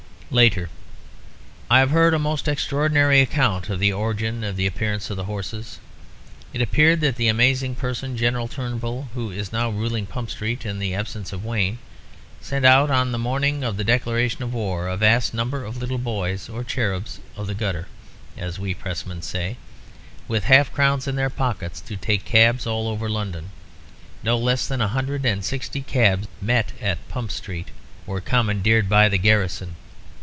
"Later. I have heard a most extraordinary account of the origin of the appearance of the horses. It appears that that amazing person, General Turnbull, who is now ruling Pump Street in the absence of Wayne, sent out, on the morning of the declaration of war, a vast number of little boys (or cherubs of the gutter, as we pressmen say), with half crowns in their pockets, to take cabs all over London. No less than a hundred and sixty cabs met at Pump Street; were commandeered by the garrison.